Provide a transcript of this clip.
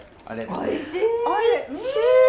おいしい！